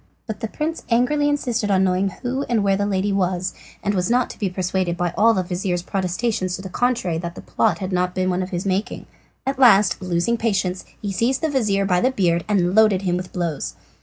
But the prince angrily insisted on knowing who and where the lady was, and was not to be persuaded by all the vizir's protestations to the contrary that the plot had not been one of his making. At last, losing patience, he seized the vizir by the beard and loaded him with blows.